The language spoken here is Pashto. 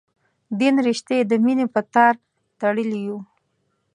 دین رشتې د مینې په تار تړلي یو.